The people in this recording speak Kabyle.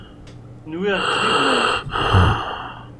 Nwiɣ-k d gma-k.